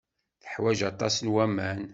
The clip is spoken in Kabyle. Teḥwaj aṭas n waman.